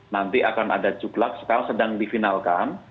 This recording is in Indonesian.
nanti akan ada cuklak sekarang sedang difinalkan